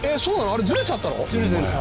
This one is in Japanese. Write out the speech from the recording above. あれずれちゃったの？